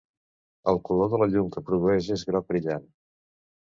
El color de la llum que produeix és groc brillant.